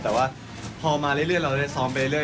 แต่ว่าพอมาเรื่อยเราได้ซ้อมไปเรื่อย